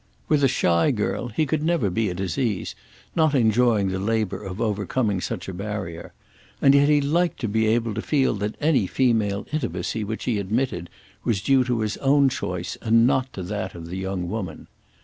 With a shy girl he could never be at his ease, not enjoying the labour of overcoming such a barrier; and yet he liked to be able to feel that any female intimacy which he admitted was due to his own choice and not to that of the young woman.